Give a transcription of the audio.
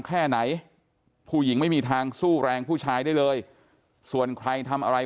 แค่ไหนผู้หญิงไม่มีทางสู้แรงผู้ชายได้เลยส่วนใครทำอะไร